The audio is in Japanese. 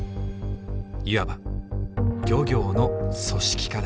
いわば漁業の組織化だ。